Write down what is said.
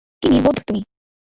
কী নির্বোধ তুমি?